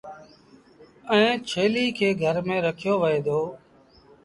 ائيٚݩ ڇيليٚ کي گھر ميݩ رکيو وهي دو۔